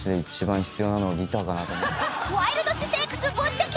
［ワイルド私生活ぶっちゃけ！］